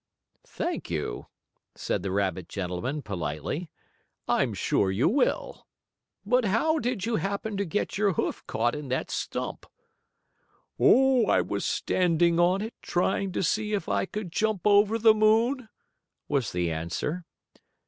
"Thank you," said the rabbit gentleman, politely. "I'm sure you will. But how did you happen to get your hoof caught in that stump?" "Oh, I was standing on it, trying to see if I could jump over the moon," was the answer.